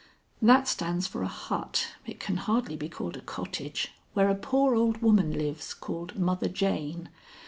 "That stands for a hut it can hardly be called a cottage where a poor old woman lives called Mother Jane.